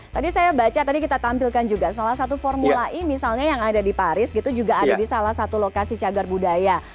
tadi saya baca tadi kita tampilkan juga salah satu formula e misalnya yang ada di paris gitu juga ada di salah satu lokasi cagar budaya